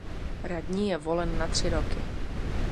Radní je volen na tři roky.